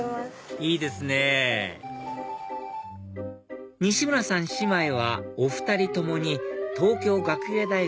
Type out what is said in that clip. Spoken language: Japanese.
いいですね西村さん姉妹はお２人共に東京学芸大学